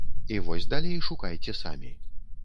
І вось далей шукайце самі.